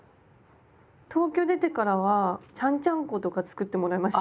東京出てからはちゃんちゃんことか作ってもらいました。